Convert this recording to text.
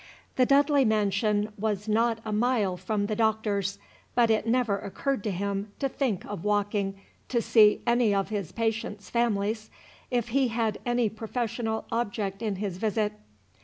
The Dudley mansion was not a mile from the Doctor's; but it never occurred to him to think of walking to see any of his patients' families, if he had any professional object in his visit.